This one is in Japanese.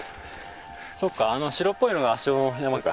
そっかあの白っぽいのが足尾の山か。